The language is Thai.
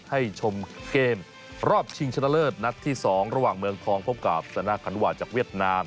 ให้ชมเกมรอบชิงชนะเลิศนัดที่๒ระหว่างเมืองทองพบกับสนาคันวาจากเวียดนาม